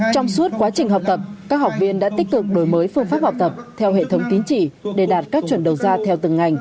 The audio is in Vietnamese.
trong suốt quá trình học tập các học viên đã tích cực đổi mới phương pháp học tập theo hệ thống tín chỉ để đạt các chuẩn đầu ra theo từng ngành